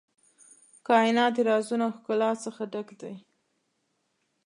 کائنات د رازونو او ښکلا څخه ډک دی.